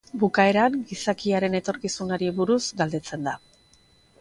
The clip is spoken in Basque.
Bukaeran gizakiaren etorkizunari buruz galdetzen da.